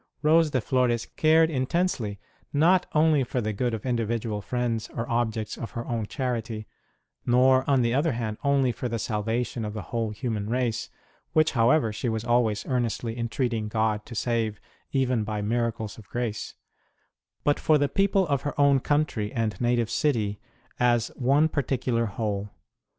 Rose de Flores cared intensely not only for the good of individual friends or objects of her own charity, nor, on the other hand, only for the salvation of the whole human race (which, however, she was always earnestly entreating God to save, even by miracles of grace), but for the people of her own country and native city as one particular whole.